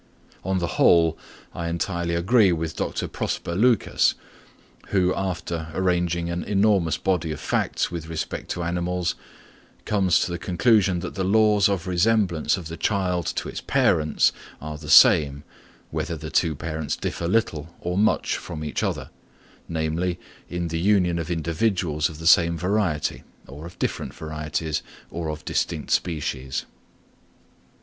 On the whole, I entirely agree with Dr. Prosper Lucas, who, after arranging an enormous body of facts with respect to animals, comes to the conclusion that the laws of resemblance of the child to its parents are the same, whether the two parents differ little or much from each other, namely, in the union of individuals of the same variety, or of different varieties, or of distinct species.